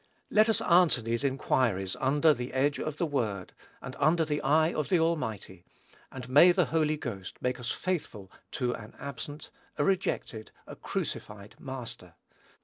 Let us answer these inquiries under the edge of the word, and under the eye of the Almighty; and may the Holy Ghost make us faithful to an absent, a rejected, a crucified Master.